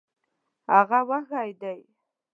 هغه وږې ده